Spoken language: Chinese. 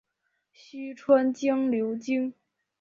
虚川江流经。